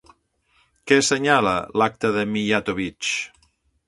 Què assenyala l'acta de Mijatović?